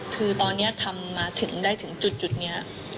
คือตอนนี้ทำมาถึงได้ถึงจุดนี้